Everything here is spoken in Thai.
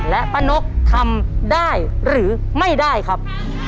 และป้านกทำได้หรือไม่ได้ครับ